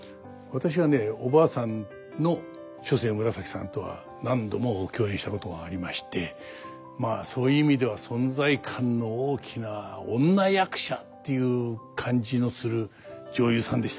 私はねおばあさんの初世紫さんとは何度も共演したことがありましてまあそういう意味では存在感の大きな女役者っていう感じのする女優さんでしたね。